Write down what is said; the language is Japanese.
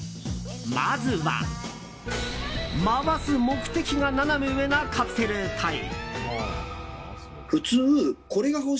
まずは、回す目的がナナメ上なカプセルトイ。